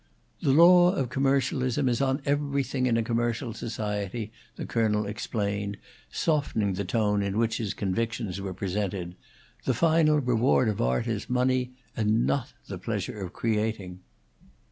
"The law of commercialism is on everything in a commercial society," the Colonel explained, softening the tone in which his convictions were presented. "The final reward of art is money, and not the pleasure of creating."